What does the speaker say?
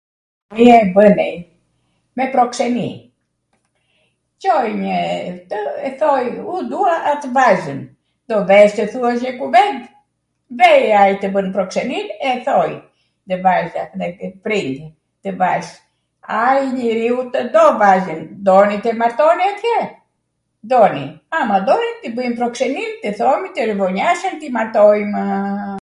njw her bwnej me prokseni, Conj atw e thoj u dua atw vajzwn, do vesh tw thuash njw kuvend? Vej ai tw bwnjw proksenin, e thoj ne vajza, ne prindt e vajzws, aj njeriu tw do vajzwn, doni te martoni atje? Doni. Ama doni, t'i bwjmw proksenin, t'i thomi tw revonjasen, t'i martojmw...